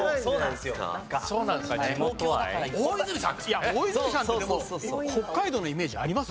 いや大泉さんってでも北海道のイメージあります？